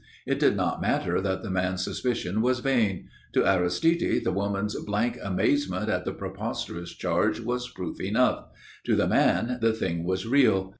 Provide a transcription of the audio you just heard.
It did not matter that the man's suspicion was vain. To Aristide the woman's blank amazement at the preposterous charge was proof enough; to the man the thing was real.